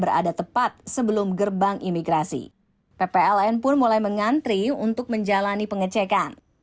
berada tepat sebelum gerbang imigrasi ppln pun mulai mengantri untuk menjalani pengecekan